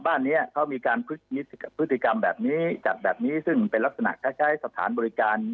บ้านนี้เขามีการพฤติกรรมแบบนี้จัดแบบนี้ซึ่งเป็นลักษณะคล้ายสถานบริการ